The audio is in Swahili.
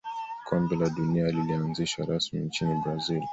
kombe la dunia lilianzishwa rasmi nchini brazil